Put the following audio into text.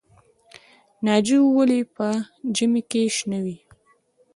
ناجو ولې په ژمي کې شنه وي؟